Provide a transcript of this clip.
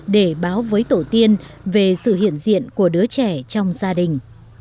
để báo với tổ tiên về sự hiện diện của đứa trẻ trong gia đình